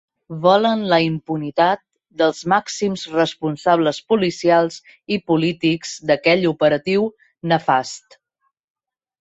Volen la impunitat dels màxims responsables policials i polítics d'aquell operatiu nefast.